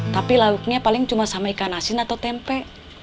tapi lauknya paling cuma sama ikan asin atau tempe